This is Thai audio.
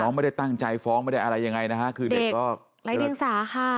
ไม่ได้ตั้งใจฟ้องไม่ได้อะไรยังไงนะฮะคือเด็กก็ไร้เดียงสาค่ะ